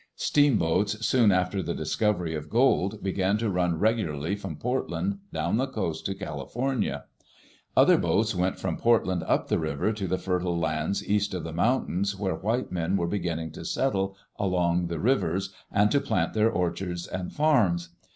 Steamboats, soon after the discovery of gold, began to run regularly from Portland down the coast to Cali fornia. Other boats went from Portland up the river to the fertile lands east of the mountains where white men were beginning to settle along the rivers and to plant their orchards and farms.